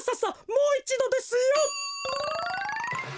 もういちどですよ！